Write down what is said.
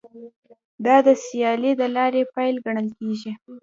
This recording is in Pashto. دا د سیالۍ د لارې پیل ګڼل کیږي